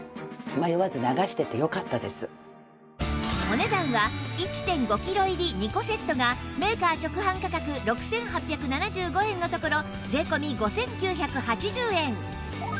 お値段は １．５ キロ入り２個セットがメーカー直販価格６８７５円のところ税込５９８０円